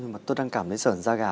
nhưng mà tôi đang cảm thấy sởn da gà